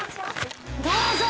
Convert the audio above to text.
どうぞ。